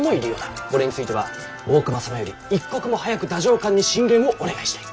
これについては大隈様より一刻も早く太政官に進言をお願いしたい。